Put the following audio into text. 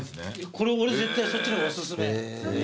これ俺絶対そっちの方がお薦め。